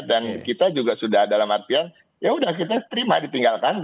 dan kita juga sudah dalam artian ya udah kita terima ditinggalkan